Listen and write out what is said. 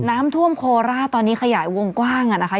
น้ำท่วมโคราชตอนนี้ขยายวงกว้างอ่ะนะคะ